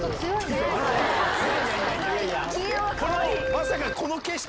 まさかこの景色